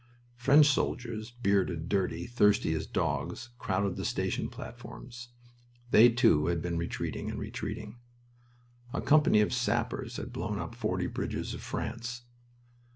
French soldiers, bearded, dirty, thirsty as dogs, crowded the station platforms. They, too, had been retreating and retreating. A company of sappers had blown up forty bridges of France.